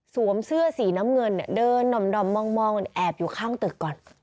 สวมเสื้อสีน้ำเงินเดินดำม่องแอบอยู่ข้างตึกก่อน